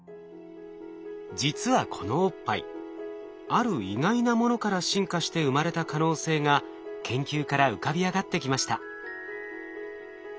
実はこのおっぱいある意外なものから進化して生まれた可能性が研究から浮かび上がってきました。